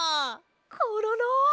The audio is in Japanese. コロロ！